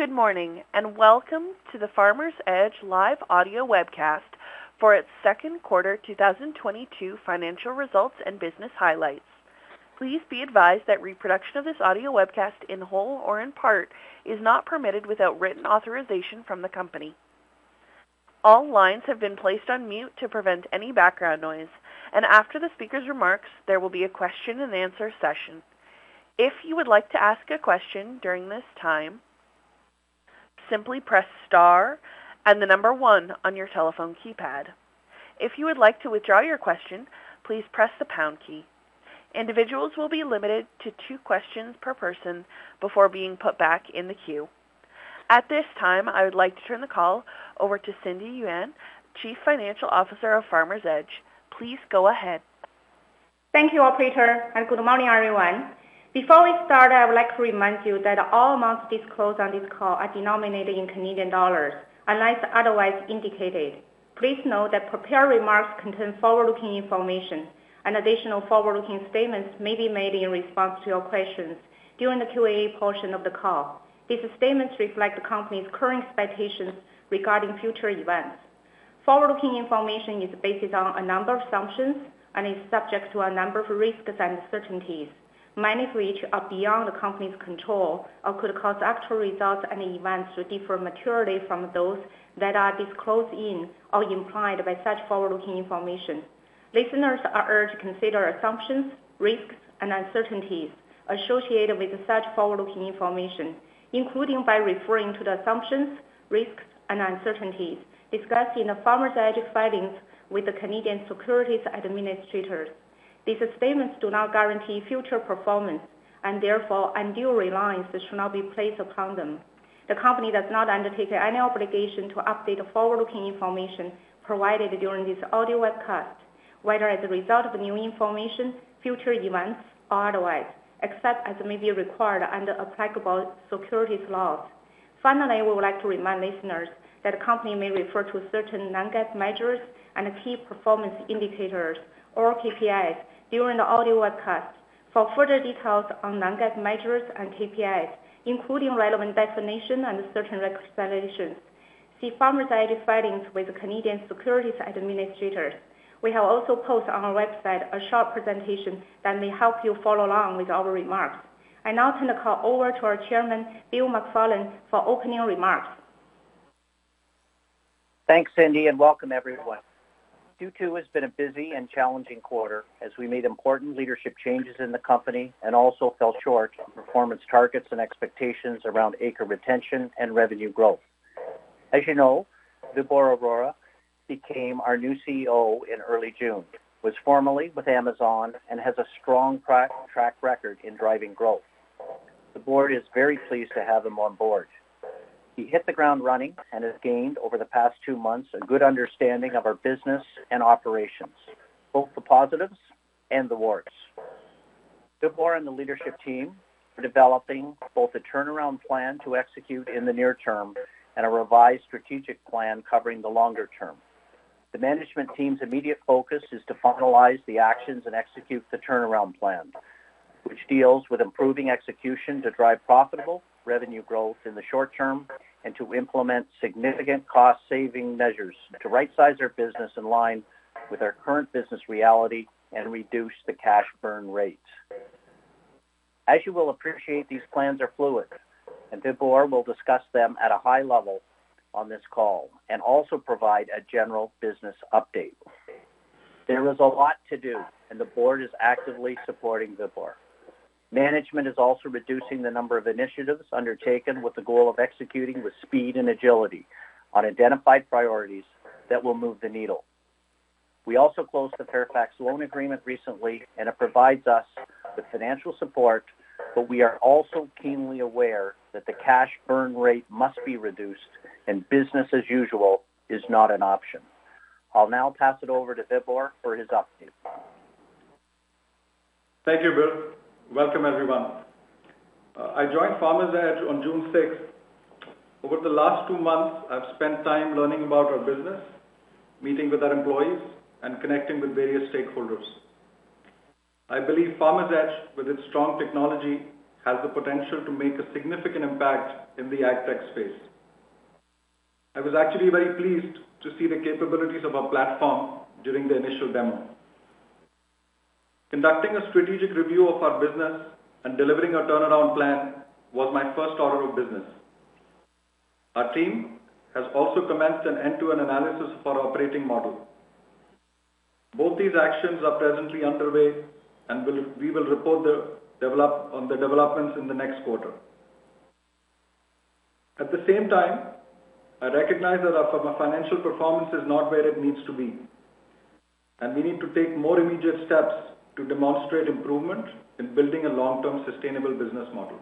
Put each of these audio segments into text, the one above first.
Good morning and welcome to the Farmers Edge live audio webcast for its second quarter 2022 financial results and business highlights. Please be advised that reproduction of this audio webcast in whole or in part is not permitted without written authorization from the company. All lines have been placed on mute to prevent any background noise, and after the speaker's remarks, there will be a question and answer session. If you would like to ask a question during this time, simply press star and the number 1 on your telephone keypad. If you would like to withdraw your question, please press the pound key. Individuals will be limited to 2 questions per person before being put back in the queue. At this time, I would like to turn the call over to Cindy Yuan, Chief Financial Officer of Farmers Edge. Please go ahead. Thank you, operator, and good morning, everyone. Before we start, I would like to remind you that all amounts disclosed on this call are denominated in Canadian dollars unless otherwise indicated. Please note that prepared remarks contain forward-looking information and additional forward-looking statements may be made in response to your questions during the Q&A portion of the call. These statements reflect the company's current expectations regarding future events. Forward-looking information is based on a number of assumptions and is subject to a number of risks and uncertainties, many of which are beyond the company's control or could cause actual results and events to differ materially from those that are disclosed in or implied by such forward-looking information. Listeners are urged to consider assumptions, risks, and uncertainties associated with such forward-looking information, including by referring to the assumptions, risks, and uncertainties discussed in Farmers Edge filings with the Canadian Securities Administrators. These statements do not guarantee future performance, and therefore undue reliance should not be placed upon them. The company does not undertake any obligation to update forward-looking information provided during this audio webcast, whether as a result of new information, future events, or otherwise, except as may be required under applicable securities laws. Finally, we would like to remind listeners that a company may refer to certain non-GAAP measures and key performance indicators or KPIs during the audio webcast. For further details on non-GAAP measures and KPIs, including relevant definition and certain reconciliation, see Farmers Edge filings with the Canadian Securities Administrators. We have also posted on our website a short presentation that may help you follow along with our remarks. I now turn the call over to our Chairman, Bill McFarland, for opening remarks. Thanks, Cindy, and welcome everyone. Q2 has been a busy and challenging quarter as we made important leadership changes in the company and also fell short on performance targets and expectations around acre retention and revenue growth. As you know, Vibhore Arora became our new CEO in early June, was formerly with Amazon and has a strong track record in driving growth. The board is very pleased to have him on board. He hit the ground running and has gained over the past two months a good understanding of our business and operations, both the positives and the warts. Vibhore and the leadership team are developing both a turnaround plan to execute in the near term and a revised strategic plan covering the longer term. The management team's immediate focus is to finalize the actions and execute the turnaround plan, which deals with improving execution to drive profitable revenue growth in the short term and to implement significant cost saving measures to rightsize their business in line with our current business reality and reduce the cash burn rates. As you will appreciate, these plans are fluid, and Vibhore will discuss them at a high level on this call and also provide a general business update. There is a lot to do, and the board is actively supporting Vibhore. Management is also reducing the number of initiatives undertaken with the goal of executing with speed and agility on identified priorities that will move the needle. We also closed the Fairfax loan agreement recently, and it provides us with financial support. We are also keenly aware that the cash burn rate must be reduced and business as usual is not an option. I'll now pass it over to Vibhore for his update. Thank you, Bill. Welcome, everyone. I joined Farmers Edge on June sixth. Over the last two months, I've spent time learning about our business, meeting with our employees, and connecting with various stakeholders. I believe Farmers Edge, with its strong technology, has the potential to make a significant impact in the AgTech space. I was actually very pleased to see the capabilities of our platform during the initial demo. Conducting a strategic review of our business and delivering a turnaround plan was my first order of business. Our team has also commenced an end-to-end analysis of our operating model. Both these actions are presently underway and we will report on the developments in the next quarter. At the same time, I recognize that our financial performance is not where it needs to be, and we need to take more immediate steps to demonstrate improvement in building a long-term sustainable business model.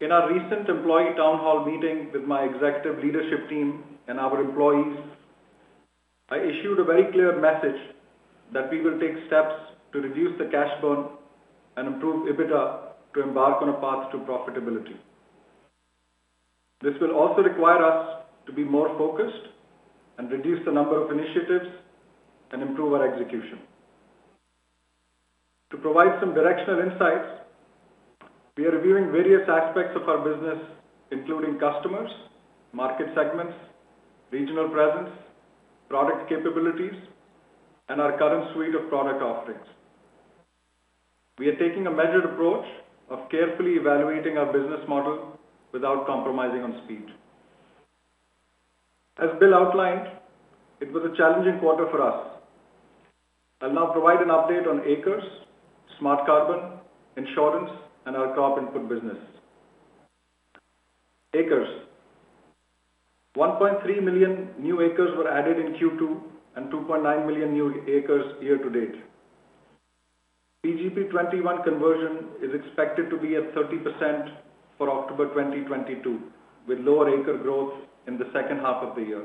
In our recent employee town hall meeting with my executive leadership team and our employees, I issued a very clear message that we will take steps to reduce the cash burn and improve EBITDA to embark on a path to profitability. This will also require us to be more focused and reduce the number of initiatives and improve our execution. To provide some directional insights, we are reviewing various aspects of our business including customers, market segments, regional presence, product capabilities, and our current suite of product offerings. We are taking a measured approach of carefully evaluating our business model without compromising on speed. As Bill outlined, it was a challenging quarter for us. I'll now provide an update on acres, Smart Carbon, insurance, and our crop input business. Acres. 1.3 million new acres were added in Q2, and 2.9 million new acres year to date. PGP 21 conversion is expected to be at 30% for October 2022, with lower acre growth in the second half of the year.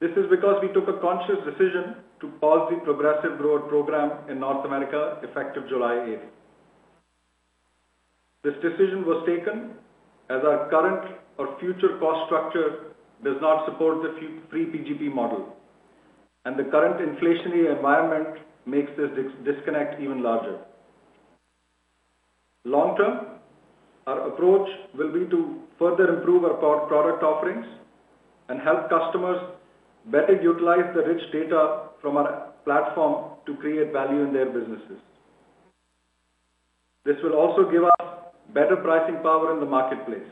This is because we took a conscious decision to pause the Progressive Grower Program in North America effective July 8. This decision was taken as our current or future cost structure does not support the pre-PGP model, and the current inflationary environment makes this disconnect even larger. Long term, our approach will be to further improve our product offerings and help customers better utilize the rich data from our platform to create value in their businesses. This will also give us better pricing power in the marketplace.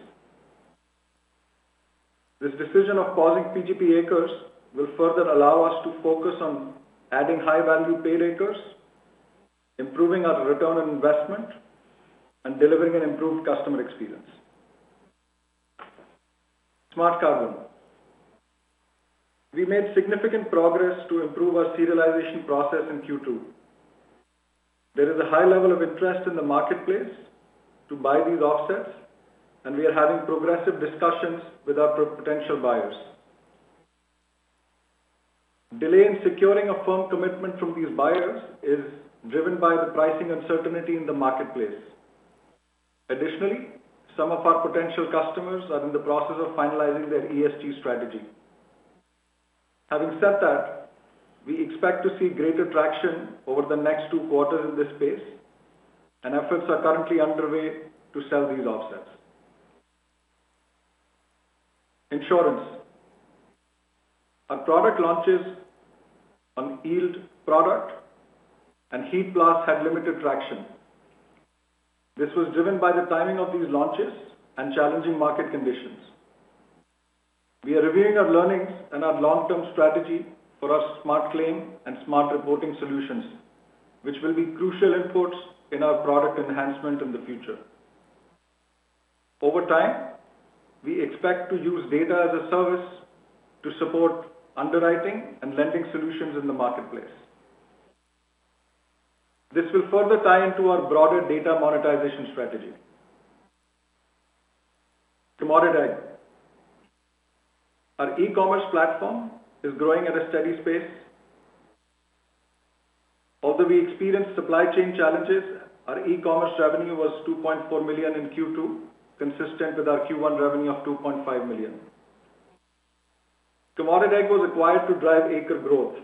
This decision of pausing PGP acres will further allow us to focus on adding high-value paid acres, improving our return on investment, and delivering an improved customer experience. Smart Carbon. We made significant progress to improve our serialization process in Q2. There is a high level of interest in the marketplace to buy these offsets, and we are having productive discussions with our prospective buyers. Delay in securing a firm commitment from these buyers is driven by the pricing uncertainty in the marketplace. Additionally, some of our potential customers are in the process of finalizing their ESG strategy. Having said that, we expect to see greater traction over the next two quarters in this space, and efforts are currently underway to sell these offsets. Insurance. Our product launches on yield product and Heat Blast had limited traction. This was driven by the timing of these launches and challenging market conditions. We are reviewing our learnings and our long-term strategy for our Smart Claim and Smart Reporting solutions, which will be crucial inputs in our product enhancement in the future. Over time, we expect to use data as a service to support underwriting and lending solutions in the marketplace. This will further tie into our broader data monetization strategy. CommoditAg. Our e-commerce platform is growing at a steady pace. Although we experienced supply chain challenges, our e-commerce revenue was 2.4 million in Q2, consistent with our Q1 revenue of 2.5 million. CommoditAg was acquired to drive acre growth.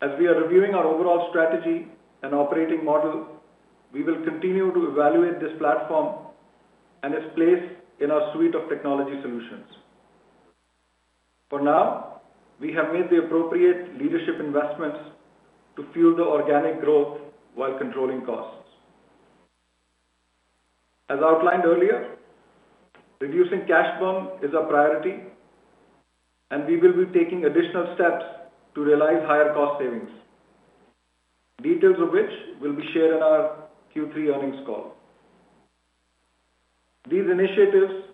As we are reviewing our overall strategy and operating model, we will continue to evaluate this platform and its place in our suite of technology solutions. For now, we have made the appropriate leadership investments to fuel the organic growth while controlling costs. As outlined earlier, reducing cash burn is our priority, and we will be taking additional steps to realize higher cost savings. Details of which will be shared in our Q3 earnings call. These initiatives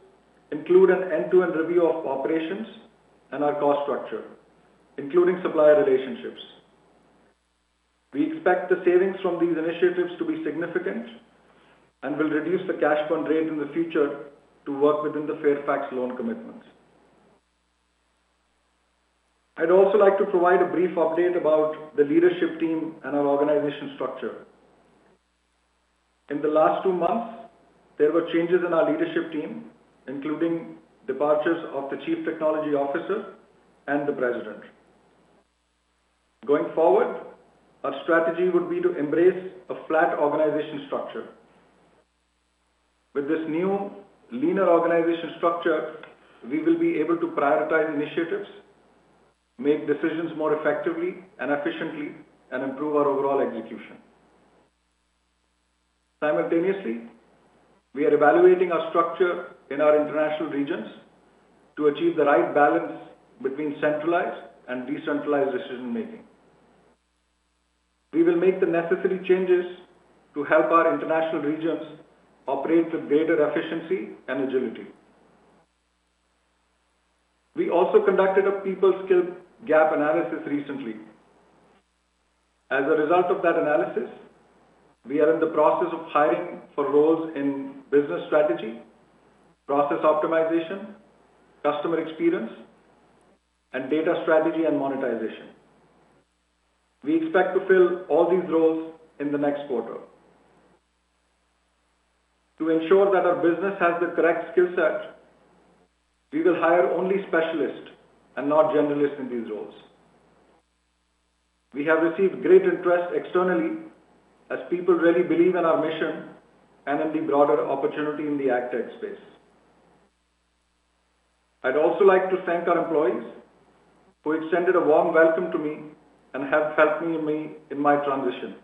include an end-to-end review of operations and our cost structure, including supplier relationships. We expect the savings from these initiatives to be significant and will reduce the cash burn rate in the future to work within the Fairfax loan commitments. I'd also like to provide a brief update about the leadership team and our organization structure. In the last two months, there were changes in our leadership team, including departures of the chief technology officer and the president. Going forward, our strategy would be to embrace a flat organization structure. With this new leaner organization structure, we will be able to prioritize initiatives, make decisions more effectively and efficiently, and improve our overall execution. Simultaneously, we are evaluating our structure in our international regions to achieve the right balance between centralized and decentralized decision-making. We will make the necessary changes to help our international regions operate with greater efficiency and agility. We also conducted a people skill gap analysis recently. As a result of that analysis, we are in the process of hiring for roles in business strategy, process optimization, customer experience, and data strategy and monetization. We expect to fill all these roles in the next quarter. To ensure that our business has the correct skill set, we will hire only specialists and not generalists in these roles. We have received great interest externally as people really believe in our mission and in the broader opportunity in the AgTech space. I'd also like to thank our employees who extended a warm welcome to me and have helped me in my transition.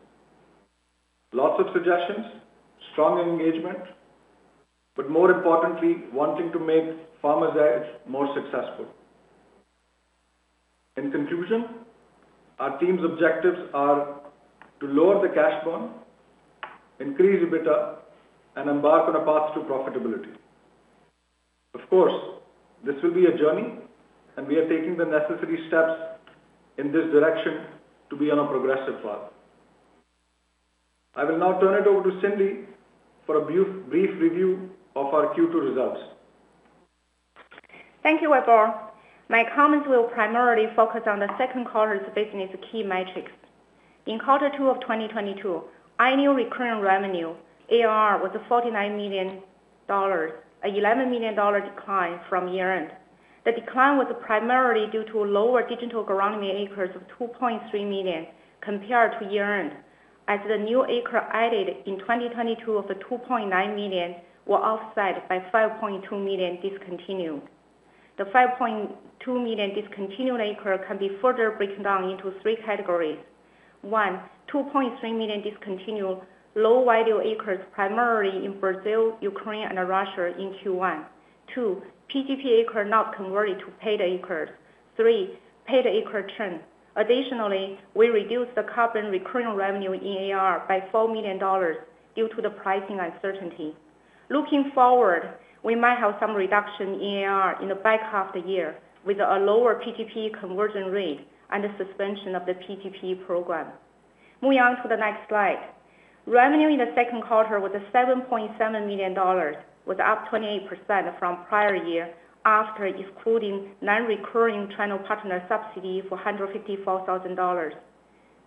Lots of suggestions, strong engagement, but more importantly, wanting to make Farmers Edge more successful. In conclusion, our team's objectives are to lower the cash burn, increase EBITDA, and embark on a path to profitability. Of course, this will be a journey, and we are taking the necessary steps in this direction to be on a progressive path. I will now turn it over to Cindy for a brief review of our Q2 results. Thank you, Vibhore. My comments will primarily focus on the second quarter's business key metrics. In quarter 2 of 2022, annual recurring revenue, ARR, was 49 million dollars, 11 million dollar decline from year-end. The decline was primarily due to lower Digital Agronomy acres of 2.3 million compared to year-end, as the new acre added in 2022 of the 2.9 million were offset by 5.2 million discontinued. The 5.2 million discontinued acre can be further broken down into three categories. One, 2.3 million discontinued low value acres, primarily in Brazil, Ukraine, and Russia in Q1. Two, PGP acre not converted to paid acres. Three, paid acre churn. Additionally, we reduced the carbon recurring revenue in ARR by 4 million dollars due to the pricing uncertainty. Looking forward, we might have some reduction in ARR in the back half of the year with a lower PGP conversion rate and the suspension of the PGP program. Moving on to the next slide. Revenue in the second quarter was 7.7 million dollars, was up 28% from prior year after excluding non-recurring channel partner subsidy of 154,000 dollars.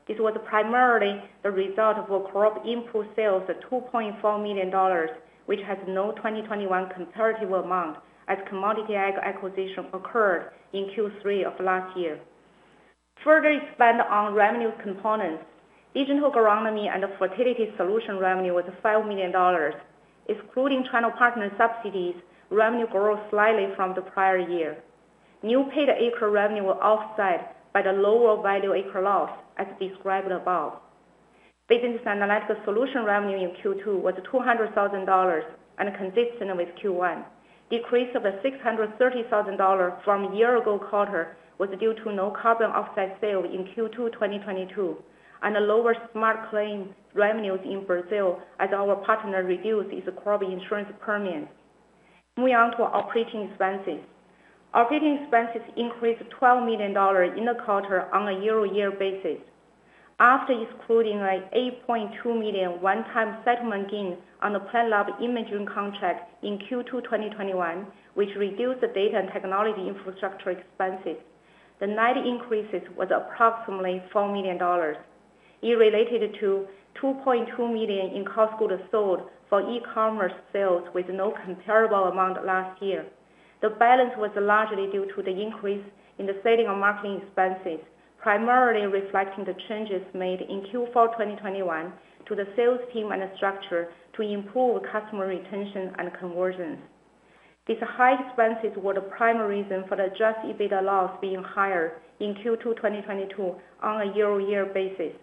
This was primarily the result of crop input sales of 2.4 million dollars, which has no 2021 comparative amount as commodity acquisition occurred in Q3 of last year. Further expand on revenue components. Digital Agronomy and the fertility solution revenue was 5 million dollars. Excluding channel partner subsidies, revenue grew slightly from the prior year. New paid acre revenue were offset by the lower value acre loss, as described above. Business analytical solution revenue in Q2 was 200,000 dollars and consistent with Q1. Decrease of 630,000 dollars from year-ago quarter was due to no carbon offset sale in Q2 2022 and lower Smart Claim revenues in Brazil as our partner reduced its crop insurance premiums. Moving on to operating expenses. Operating expenses increased 12 million dollars in the quarter on a year-over-year basis. After excluding an 8.2 million one-time settlement gain on the Planet Labs imaging contract in Q2 2021, which reduced the data and technology infrastructure expenses, the net increase was approximately 4 million dollars. It related to 2.2 million in cost of goods sold for e-commerce sales with no comparable amount last year. The balance was largely due to the increase in the selling and marketing expenses, primarily reflecting the changes made in Q4 2021 to the sales team and the structure to improve customer retention and conversions. These high expenses were the primary reason for the adjusted EBITDA loss being higher in Q2 2022 on a year-over-year basis.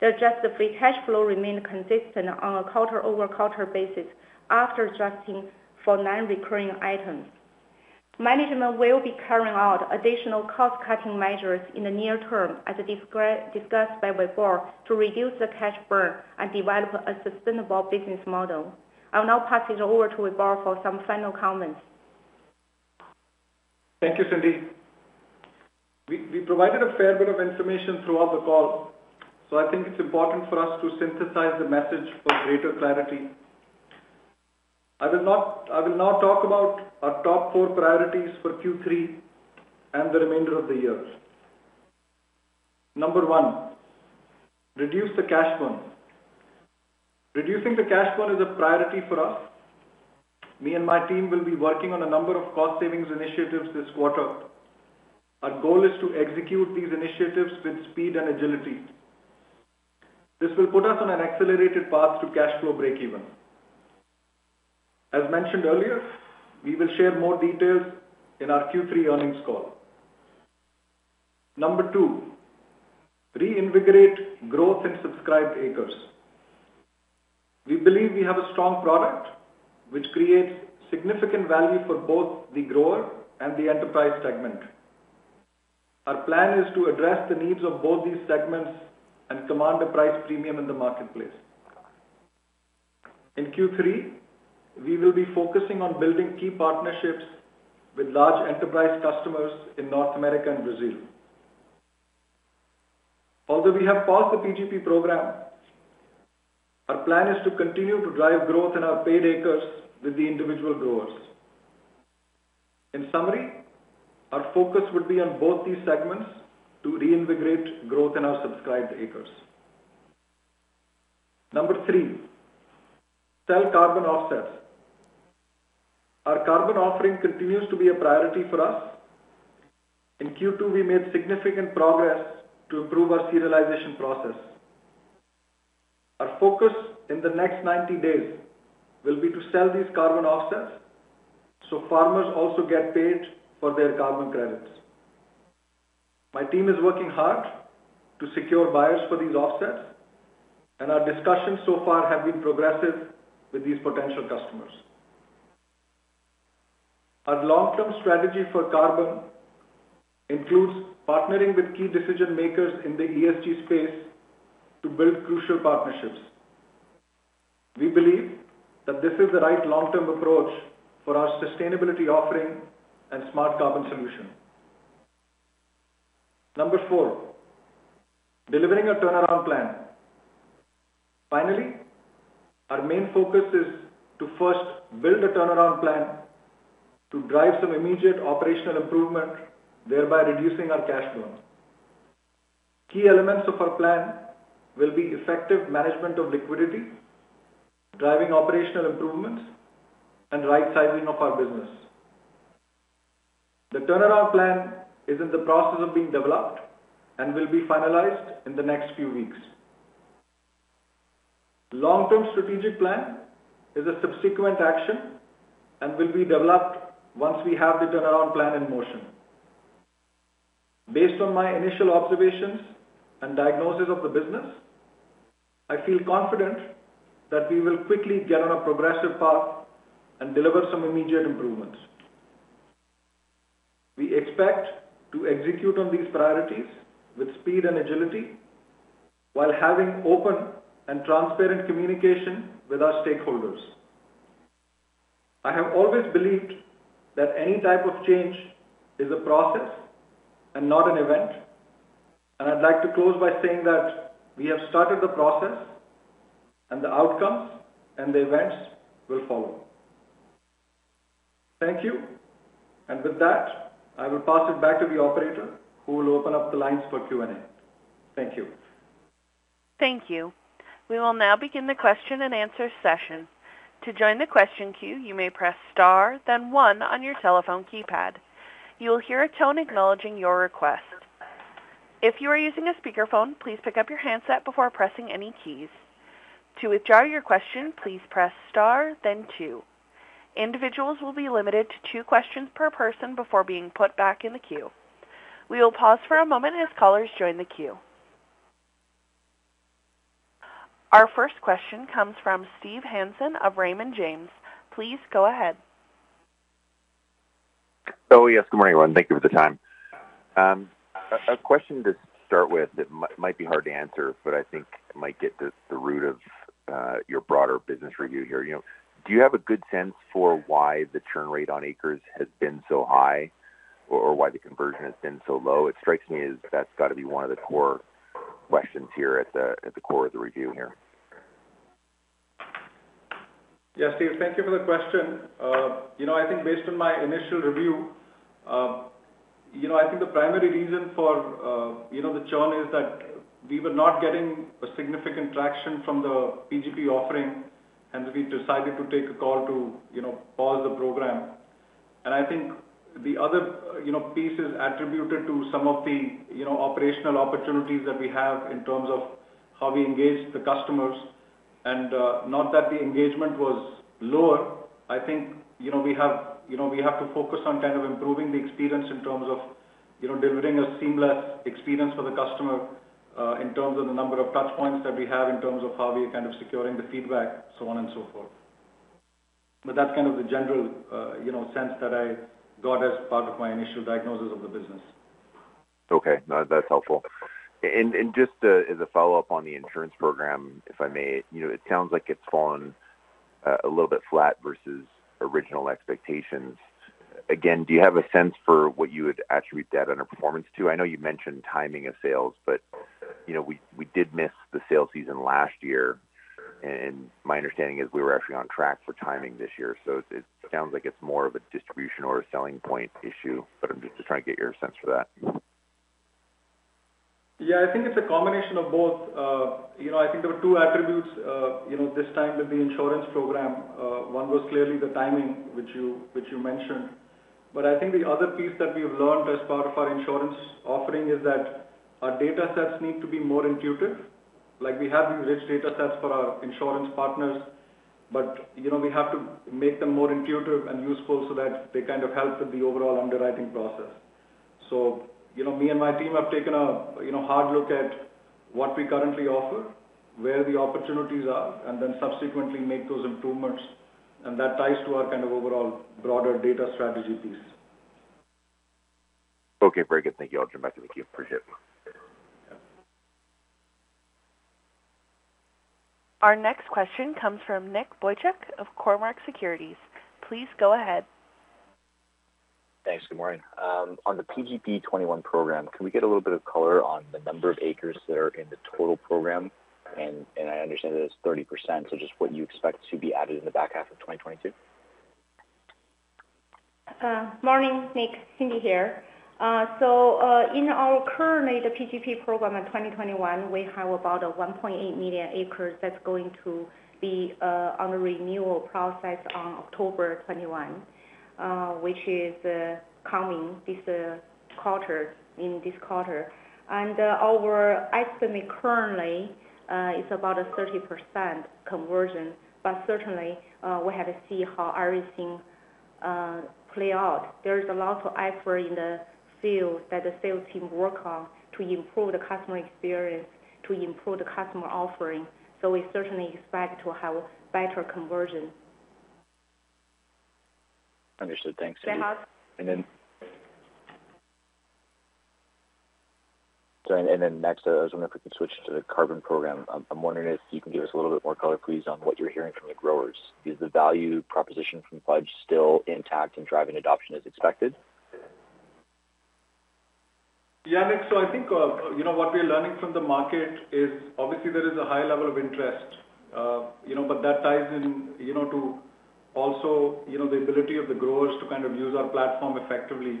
The adjusted free cash flow remained consistent on a quarter-over-quarter basis after adjusting for non-recurring items. Management will be carrying out additional cost-cutting measures in the near term, as discussed by Vibhore, to reduce the cash burn and develop a sustainable business model. I'll now pass it over to Vibhore for some final comments. Thank you, Cindy. We provided a fair bit of information throughout the call, so I think it's important for us to synthesize the message for greater clarity. I will now talk about our top four priorities for Q3 and the remainder of the year. Number one, reduce the cash burn. Reducing the cash burn is a priority for us. Me and my team will be working on a number of cost savings initiatives this quarter. Our goal is to execute these initiatives with speed and agility. This will put us on an accelerated path to cash flow breakeven. As mentioned earlier, we will share more details in our Q3 earnings call. Number two, reinvigorate growth in subscribed acres. We believe we have a strong product which creates significant value for both the grower and the enterprise segment. Our plan is to address the needs of both these segments and command a price premium in the marketplace. In Q3, we will be focusing on building key partnerships with large enterprise customers in North America and Brazil. Although we have paused the PGP program, our plan is to continue to drive growth in our paid acres with the individual growers. In summary, our focus would be on both these segments to reinvigorate growth in our subscribed acres. Number three, sell carbon offsets. Our carbon offering continues to be a priority for us. In Q2, we made significant progress to improve our serialization process. Our focus in the next 90 days will be to sell these carbon offsets so farmers also get paid for their carbon credits. My team is working hard to secure buyers for these offsets, and our discussions so far have been progressive with these potential customers. Our long-term strategy for carbon includes partnering with key decision-makers in the ESG space to build crucial partnerships. We believe that this is the right long-term approach for our sustainability offering and Smart Carbon solution. Number four, delivering a turnaround plan. Finally, our main focus is to first build a turnaround plan to drive some immediate operational improvement, thereby reducing our cash burn. Key elements of our plan will be effective management of liquidity, driving operational improvements, and right-sizing of our business. The turnaround plan is in the process of being developed and will be finalized in the next few weeks. Long-term strategic plan is a subsequent action and will be developed once we have the turnaround plan in motion. Based on my initial observations and diagnosis of the business, I feel confident that we will quickly get on a progressive path and deliver some immediate improvements. We expect to execute on these priorities with speed and agility while having open and transparent communication with our stakeholders. I have always believed that any type of change is a process and not an event, and I'd like to close by saying that we have started the process, and the outcomes and the events will follow. Thank you. With that, I will pass it back to the operator who will open up the lines for Q&A. Thank you. Thank you. We will now begin the question-and-answer session. To join the question queue, you may press star then one on your telephone keypad. You will hear a tone acknowledging your request. If you are using a speakerphone, please pick up your handset before pressing any keys. To withdraw your question, please press star then two. Individuals will be limited to two questions per person before being put back in the queue. We will pause for a moment as callers join the queue. Our first question comes from Steve Hansen of Raymond James. Please go ahead. Oh, yes. Good morning, everyone. Thank you for the time. A question to start with that might be hard to answer, but I think it might get to the root of your broader business review here. You know, do you have a good sense for why the churn rate on acres has been so high or why the conversion has been so low? It strikes me as that's got to be one of the core questions here at the core of the review here. Yeah, Steve, thank you for the question. You know, I think based on my initial review, you know, I think the primary reason for, you know, the churn is that we were not getting a significant traction from the PGP offering, and we decided to take a call to, you know, pause the program. I think the other, you know, piece is attributed to some of the, you know, operational opportunities that we have in terms of how we engage the customers. Not that the engagement was lower, I think, you know, we have, you know, we have to focus on kind of improving the experience in terms of, you know, delivering a seamless experience for the customer, in terms of the number of touch points that we have, in terms of how we are kind of securing the feedback, so on and so forth. That's kind of the general, you know, sense that I got as part of my initial diagnosis of the business. Okay. No, that's helpful. Just as a follow-up on the insurance program, if I may. You know, it sounds like it's fallen a little bit flat versus original expectations. Again, do you have a sense for what you would attribute that underperformance to? I know you mentioned timing of sales, but, you know, we did miss the sales season last year, and my understanding is we were actually on track for timing this year. It sounds like it's more of a distribution or a selling point issue, but I'm just trying to get your sense for that. Yeah. I think it's a combination of both. You know, I think there were two attributes this time with the insurance program. One was clearly the timing, which you mentioned. But I think the other piece that we've learned as part of our insurance offering is that our datasets need to be more intuitive. Like, we have these rich datasets for our insurance partners, but you know, we have to make them more intuitive and useful so that they kind of help with the overall underwriting process. You know, me and my team have taken a hard look at what we currently offer, where the opportunities are, and then subsequently make those improvements, and that ties to our kind of overall broader data strategy piece. Okay. Very good. Thank you. I'll turn it back to you. Appreciate it. Our next question comes from Nicholas Boychuk of Cormark Securities. Please go ahead. Thanks. Good morning. On the PGP-21 program, can we get a little bit of color on the number of acres that are in the total program? I understand that it's 30%, so just what you expect to be added in the back half of 2022. Morning, Nick. Cindy here. Currently the PGP program in 2021, we have about 1.8 million acres that's going to be on the renewal process on October 21, which is coming in this quarter. Our estimate currently is about a 30% conversion. Certainly, we have to see how everything play out. There is a lot of effort in the field that the sales team work on to improve the customer experience, to improve the customer offering. We certainly expect to have better conversion. Understood. Thanks, Cindy. Samar. I was wondering if we could switch to the carbon program. I'm wondering if you can give us a little bit more color, please, on what you're hearing from the growers. Is the value proposition from Farmers Edge still intact in driving adoption as expected? Yeah, Nick. I think, you know, what we're learning from the market is obviously there is a high level of interest, you know, but that ties in, you know, to also, you know, the ability of the growers to kind of use our platform effectively.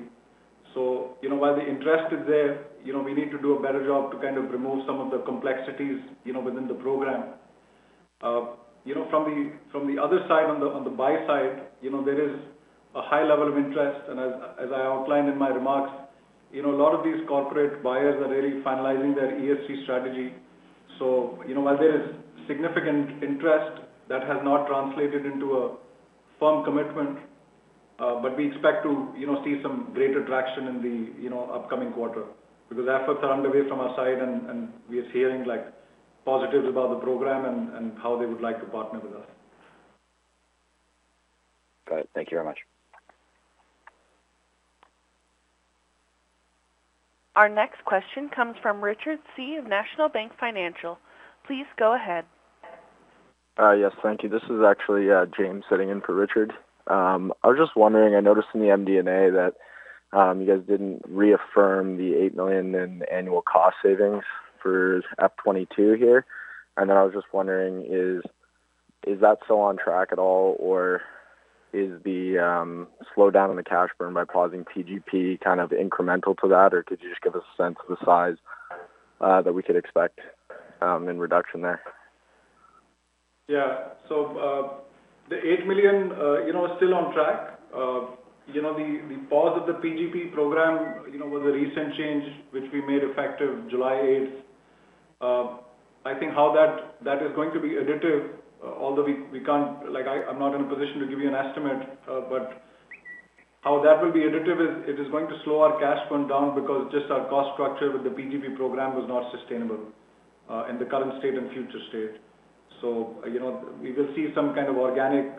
You know, while the interest is there, you know, we need to do a better job to kind of remove some of the complexities, you know, within the program. You know, from the other side, on the buy side, you know, there is a high level of interest. As I outlined in my remarks, you know, a lot of these corporate buyers are really finalizing their ESG strategy. You know, while there is significant interest, that has not translated into a firm commitment, but we expect to, you know, see some greater traction in the, you know, upcoming quarter. Because efforts are underway from our side and we are hearing, like, positives about the program and how they would like to partner with us. Got it. Thank you very much. Our next question comes from Richard Tse of National Bank Financial. Please go ahead. Yes. Thank you. This is actually James sitting in for Richard. I was just wondering, I noticed in the MD&A that you guys didn't reaffirm the 8 million in annual cost savings for FY 2022 here. Then I was just wondering, is that still on track at all? Or is the slowdown in the cash burn by pausing PGP kind of incremental to that? Or could you just give us a sense of the size that we could expect in reduction there? Yeah. The 8 million, you know, is still on track. You know, the pause of the PGP program, you know, was a recent change which we made effective July eighth. I think how that is going to be additive, although we can't, like I'm not in a position to give you an estimate. How that will be additive is it is going to slow our cash burn down because just our cost structure with the PGP program was not sustainable in the current state and future state. You know, we will see some kind of organic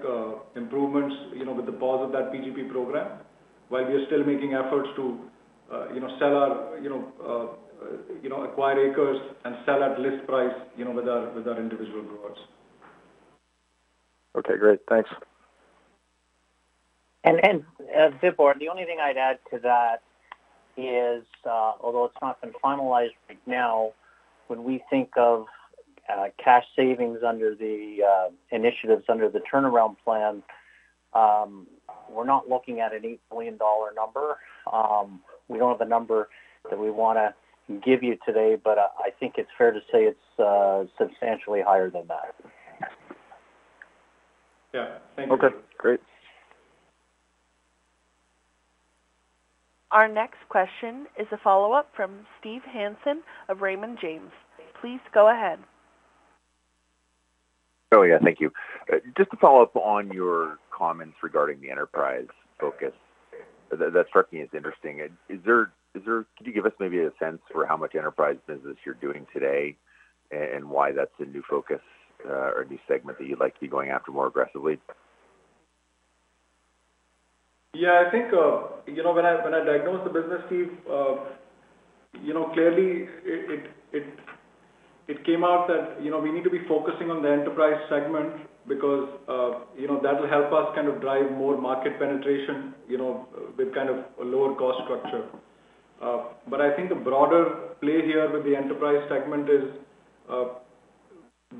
improvements, you know, with the pause of that PGP program, while we are still making efforts to, you know, sell our, you know, acquire acres and sell at list price, you know, with our individual growers. Okay, great. Thanks. Vibhore, the only thing I'd add to that is, although it's not been finalized right now, when we think of cash savings under the initiatives under the turnaround plan, we're not looking at a 8 million dollar number. We don't have a number that we wanna give you today, but I think it's fair to say it's substantially higher than that. Yeah. Thank you. Okay, great. Our next question is a follow-up from Steve Hansen of Raymond James. Please go ahead. Oh, yeah. Thank you. Just to follow up on your comments regarding the enterprise focus, that struck me as interesting. Could you give us maybe a sense for how much enterprise business you're doing today and why that's a new focus, or a new segment that you'd like to be going after more aggressively? Yeah. I think, you know, when I diagnosed the business, Steve, you know, clearly it came out that, you know, we need to be focusing on the enterprise segment because, you know, that will help us kind of drive more market penetration, you know, with kind of a lower cost structure. I think the broader play here with the enterprise segment is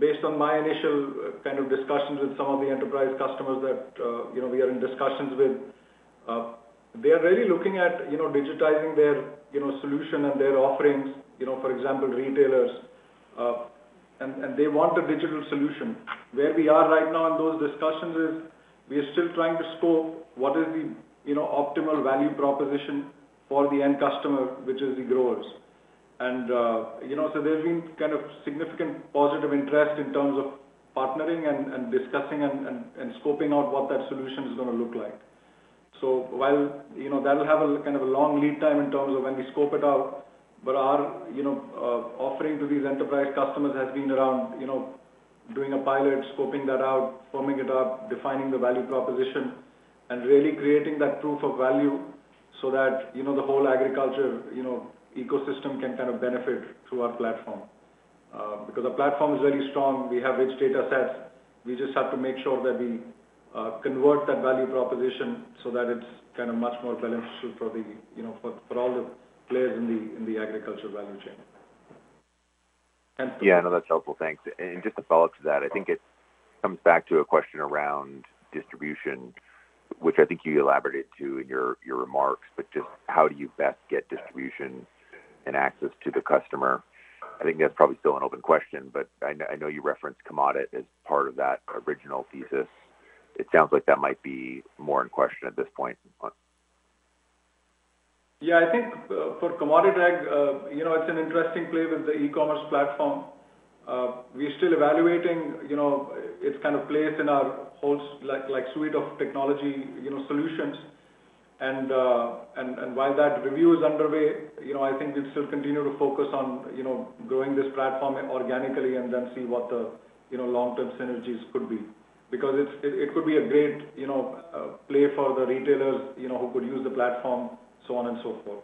based on my initial kind of discussions with some of the enterprise customers that, you know, we are in discussions with. They are really looking at, you know, digitizing their, you know, solution and their offerings, you know, for example, retailers. They want a digital solution. Where we are right now in those discussions is we are still trying to scope what is the, you know, optimal value proposition for the end customer, which is the growers. You know, there's been kind of significant positive interest in terms of partnering and discussing and scoping out what that solution is gonna look like. While, you know, that will have a kind of a long lead time in terms of when we scope it out, but our, you know, offering to these enterprise customers has been around, you know, doing a pilot, scoping that out, firming it up, defining the value proposition, and really creating that proof of value so that, you know, the whole agriculture, you know, ecosystem can kind of benefit through our platform. Because our platform is very strong. We have rich data sets. We just have to make sure that we convert that value proposition so that it's kind of much more beneficial for the, you know, for all the players in the agriculture value chain. Yeah, no, that's helpful. Thanks. Just to follow up to that, I think it comes back to a question around distribution, which I think you elaborated to in your remarks, but just how do you best get distribution and access to the customer? I think that's probably still an open question, but I know, I know you referenced CommoditAg as part of that original thesis. It sounds like that might be more in question at this point. Yeah. I think, for CommoditAg, you know, it's an interesting play with the e-commerce platform. We're still evaluating, you know, its kind of place in our whole like, suite of technology, you know, solutions. While that review is underway, you know, I think we'll still continue to focus on, you know, growing this platform organically and then see what the, you know, long-term synergies could be. Because it could be a great, you know, play for the retailers, you know, who could use the platform, so on and so forth.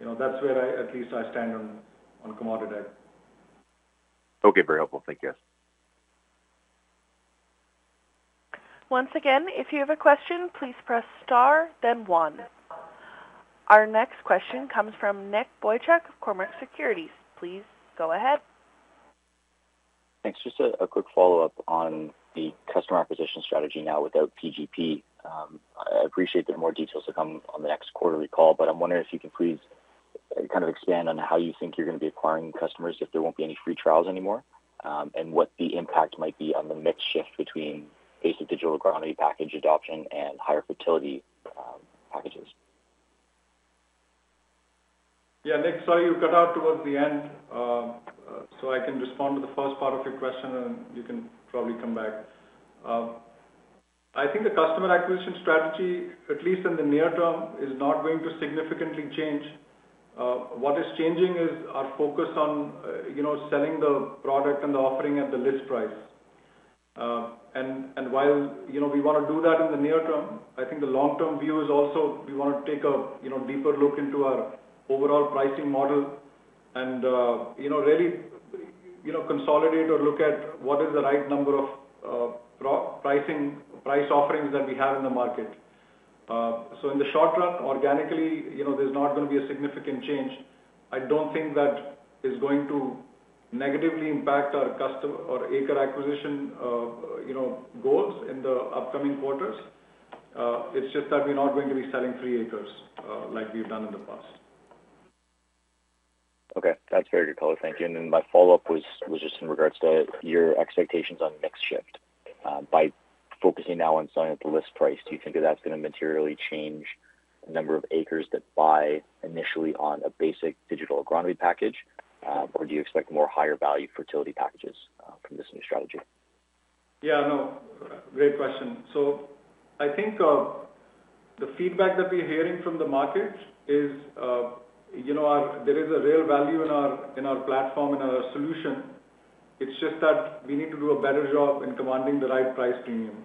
You know, that's where at least I stand on CommoditAg. Okay. Very helpful. Thank you. Once again, if you have a question, please press star then one. Our next question comes from Nicholas Boychuk of Cormark Securities. Please go ahead. Thanks. Just a quick follow-up on the customer acquisition strategy now without PGP. I appreciate there are more details to come on the next quarterly call, but I'm wondering if you can please kind of expand on how you think you're gonna be acquiring customers if there won't be any free trials anymore, and what the impact might be on the mix shift between basic Digital Agronomy package adoption and higher fertility packages? Yeah. Nick, sorry, you cut out towards the end. So I can respond to the first part of your question, and you can probably come back. I think the customer acquisition strategy, at least in the near term, is not going to significantly change. What is changing is our focus on, you know, selling the product and the offering at the list price. And while, you know, we wanna do that in the near term, I think the long-term view is also we wanna take a, you know, deeper look into our overall pricing model and, you know, really, you know, consolidate or look at what is the right number of pricing price offerings that we have in the market. In the short run, organically, you know, there's not gonna be a significant change. I don't think that is going to negatively impact our acre acquisition, you know, goals in the upcoming quarters. It's just that we're not going to be selling free acres, like we've done in the past. Okay. That's very good color. Thank you. My follow-up was just in regards to your expectations on mix shift. By focusing now on selling at the list price, do you think that that's gonna materially change the number of acres that buy initially on a basic Digital Agronomy package? Or do you expect more higher value fertility packages from this new strategy? Yeah. No. Great question. I think the feedback that we're hearing from the market is, you know, there is a real value in our platform and our solution. It's just that we need to do a better job in commanding the right price premium.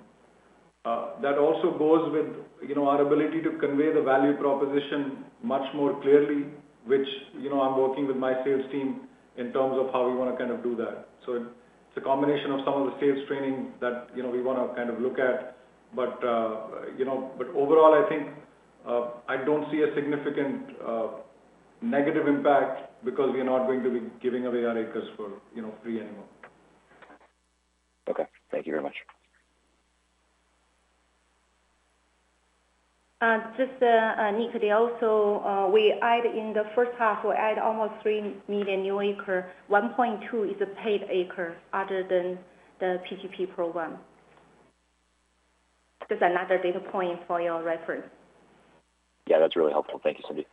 That also goes with, you know, our ability to convey the value proposition much more clearly, which, you know, I'm working with my sales team in terms of how we wanna kind of do that. It's a combination of some of the sales training that, you know, we wanna kind of look at. But, you know, overall I think I don't see a significant negative impact because we are not going to be giving away our acres for, you know, free anymore. Okay. Thank you very much. Just, Nick, we also add in the first half almost 3 million new acres. 1.2 is paid acres other than the PGP program. Just another data point for your reference. Yeah. That's really helpful. Thank you, Cindy.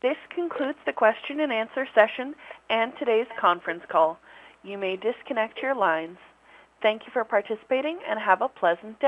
This concludes the question and answer session and today's conference call. You may disconnect your lines. Thank you for participating and have a pleasant day.